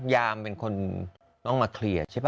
ยามเป็นคนต้องมาเคลียร์ใช่ป่